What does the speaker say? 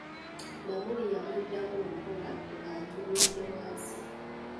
Namuli yamuddanmu mpola ng'atunudde wansi.